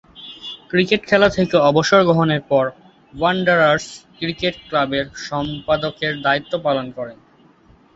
Cricket খেলা থেকে অবসর গ্রহণের পর ওয়ান্ডারার্স ক্রিকেট ক্লাবের সম্পাদকের দায়িত্ব পালন করেন।